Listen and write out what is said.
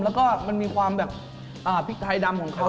แล้วก็มันมีความแบบพริกไทยดำของเขา